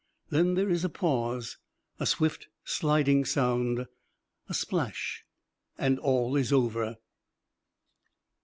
Then there is a pause a swift, sliding sound a splash, and all is over.